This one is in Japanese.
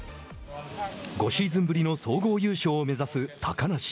５シーズンぶりの総合優勝を目指す高梨。